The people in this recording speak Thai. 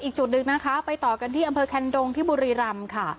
อีกจุดหนึ่งนะคะไปต่อกันที่อำเภอแคนดงที่บุรีรำค่ะ